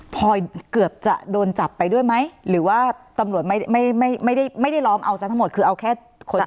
พอยเกือบจะโดนจับไปด้วยไหมหรือว่าตำรวจไม่ไม่ได้ล้อมเอาซะทั้งหมดคือเอาแค่คน